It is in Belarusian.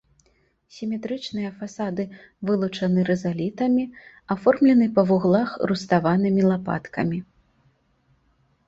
Сіметрычныя фасады вылучаны рызалітамі, аформлены па вуглах руставанымі лапаткамі.